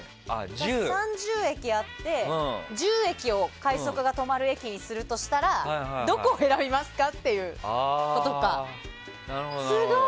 ３０駅あって１０駅を快速が止まる駅にするとしたら、どこを選びますかっていうことか。